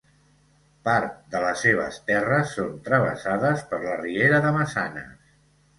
Part de les seves terres són travessades per la riera de Massanes.